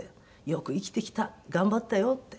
「よく生きてきた。頑張ったよ」って。